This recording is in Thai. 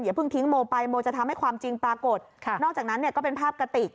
เพิ่งทิ้งโมไปโมจะทำให้ความจริงปรากฏค่ะนอกจากนั้นเนี่ยก็เป็นภาพกระติก